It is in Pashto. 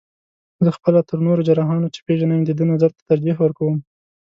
زه خپله تر نورو جراحانو، چې پېژنم یې د ده نظر ته ترجیح ورکوم.